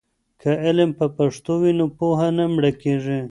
که علم په پښتو وي نو پوهه نه مړکېږي.